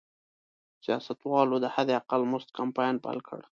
سیاستوالو د حداقل مزد کمپاین پیل کړ.